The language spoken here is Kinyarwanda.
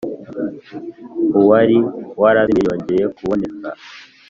Uwari warazimiye yongeye kuboneka